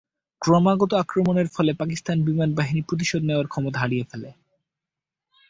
ক্রমাগত আক্রমণের ফলে পাকিস্তান বিমান বাহিনী প্রতিশোধ নেওয়ার ক্ষমতা হারিয়ে পেলে।